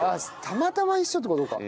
たまたま一緒って事か。